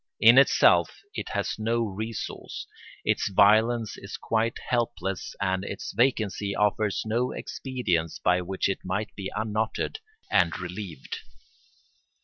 In itself it has no resource; its violence is quite helpless and its vacancy offers no expedients by which it might be unknotted and relieved.